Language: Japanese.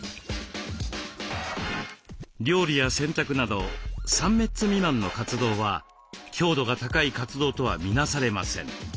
料理や洗濯など３メッツ未満の活動は強度が高い活動とは見なされません。